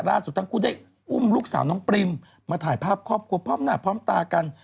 ล่าสุดทั้งคู่ได้อุ้มลูกสาวน้องปริมมาถ่ายภาพครอบครัวพร้อมหน้าพร้อมตากัน